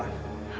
bu laras lihat ya